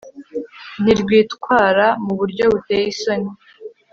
ntirwitwara mu buryo buteye isoni